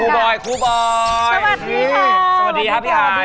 สวัสดีครับพี่หาย